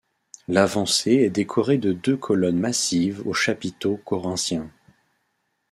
L'avancée est décorée de deux colonnes massives aux chapiteaux corinthiens.